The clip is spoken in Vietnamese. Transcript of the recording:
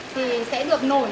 thì sẽ được nổi lên